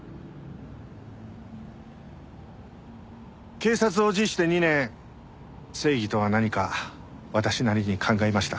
警察を辞して２年正義とは何か私なりに考えました。